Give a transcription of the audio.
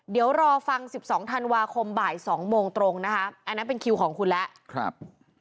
เดี๋ยวรอฟัง๑๒ธันวาคมบ่าย๒โมงตรงนะคะอันนั้นเป็นคิวของคุณแล้วครับ